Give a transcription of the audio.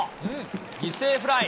犠牲フライ。